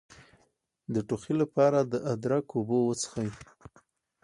د ټوخي لپاره د ادرک اوبه وڅښئ